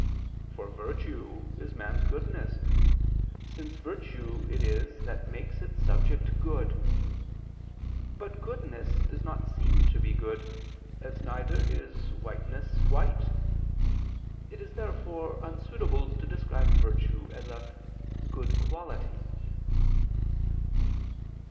For virtue is man's goodness, since virtue it is that makes its subject good. But goodness does not seem to be good, as neither is whiteness white. It is therefore unsuitable to describe virtue as a "good quality."